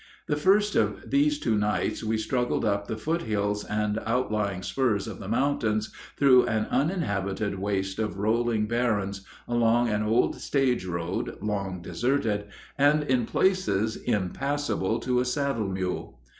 The first of these two nights we struggled up the foot hills and outlying spurs of the mountains, through an uninhabited waste of rolling barrens, along an old stage road, long deserted, and in places impassable to a saddle mule.